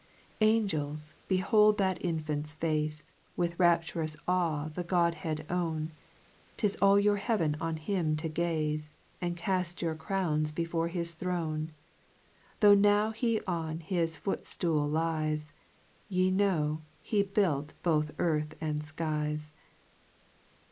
3 Angels, behold that Infant's face, With rapturous awe the Godhead own, 'Tis all your heaven on him to gaze, And caft your crowns before his throne ; Tho' now he on his footftool lies, Ye know, he built both earth and Ikies.